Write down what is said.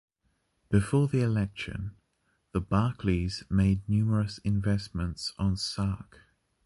Before the election, the Barclays made numerous investments on Sark.